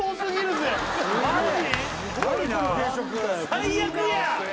最悪や！